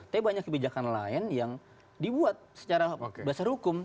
tapi banyak kebijakan lain yang dibuat secara dasar hukum